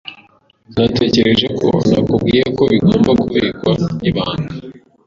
Natekereje ko nakubwiye ko bigomba kubikwa ibanga.